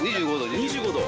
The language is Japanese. ２５度？